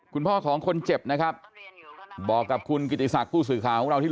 คุณพ่อของคนเจ็บนะครับบอกกับคุณกิติศักดิ์ผู้สื่อข่าวของเราที่